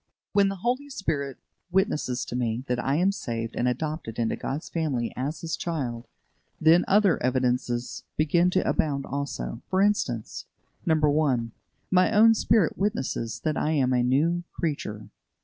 When the Holy Spirit witnesses to me that I am saved and adopted into God's family as His child, then other evidences begin to abound also. For instance: 1. My own spirit witnesses that I am a new creature.